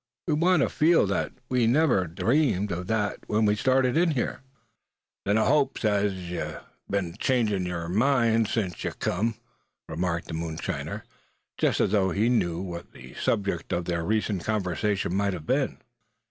We want you to feel that we never dreamed of that when we started in here." "Then I hopes as how yuh beant changin' o' yer minds sence yuh kim," remarked the moonshiner, just as though he knew what the subject of their recent conversations might have been.